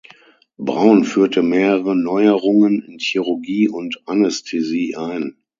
Braun führte mehrere Neuerungen in Chirurgie und Anästhesie ein.